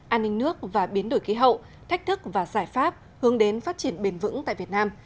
an ninh nước và biến đổi khí hậu thách thức và giải pháp hướng đến phát triển bền vững tại việt nam